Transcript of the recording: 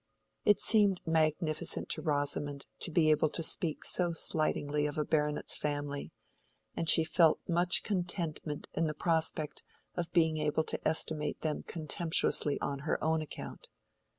It seemed magnificent to Rosamond to be able to speak so slightingly of a baronet's family, and she felt much contentment in the prospect of being able to estimate them contemptuously on her own account.